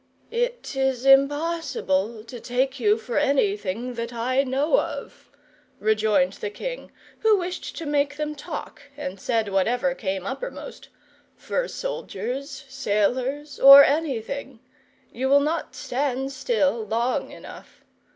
"It is impossible to take you for anything that I know of," rejoined the king, who wished to make them talk, and said whatever came uppermost; "for soldiers, sailors, or anything: you will not stand still long enough.